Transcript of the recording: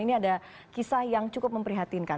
ini ada kisah yang cukup memprihatinkan